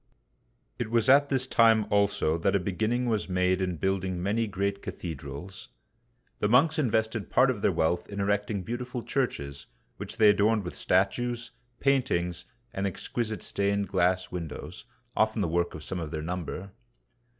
It was at this time also that a beginning was made in building many great cathedrals. The monks invested part of their wealth in erecting beautiful churches, which they adorned with statues, paintings, and exquisite stained glass windows, often the work of some of their number.